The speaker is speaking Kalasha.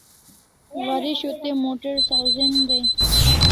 Waresho te motor sawzen dai